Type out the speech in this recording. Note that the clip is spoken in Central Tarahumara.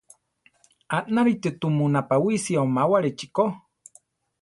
Anárita tumu napawisi omáwarichi ko.